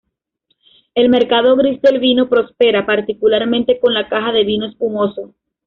El mercado gris del vino prospera, particularmente con la caja de vino espumoso.